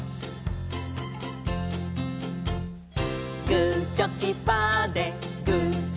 「グーチョキパーでグーチョキパーで」